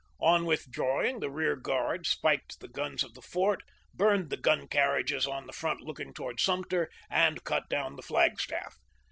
On withdraw ing, the rear guard spiked the guns of the fort, burned the gun carriages on the front looking toward Sumter, and cut down the flag staff.